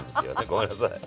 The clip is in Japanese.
ごめんなさい。